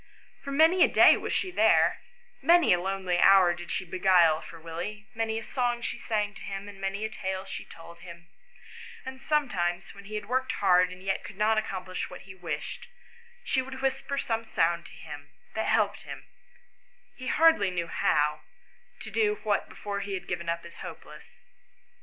For many a day was she there ; many a lonely hour did she beguile for Willie; many a song she sang to him, and many a tale she told him; and sometimes, when he had worked hard and yet could not accom plish what he wished, she would whisper some sound to him, that helped him, he hardly knew how, to do what before he had given up as hopeless.